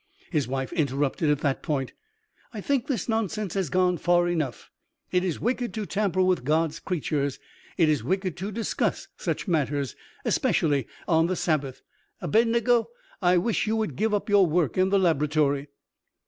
His wife interrupted at that point. "I think this nonsense has gone far enough. It is wicked to tamper with God's creatures. It is wicked to discuss such matters especially on the Sabbath. Abednego, I wish you would give up your work in the laboratory."